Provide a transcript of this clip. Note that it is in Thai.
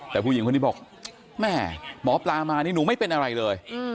แต่ผู้หญิงคนนี้บอกแม่หมอปลามานี่หนูไม่เป็นอะไรเลย